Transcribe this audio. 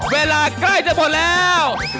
เวลาใกล้จะหมดแล้ว